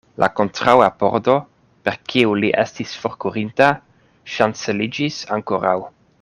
La kontraŭa pordo, per kiu li estis forkurinta, ŝanceliĝis ankoraŭ.